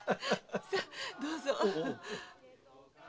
さあどうぞ！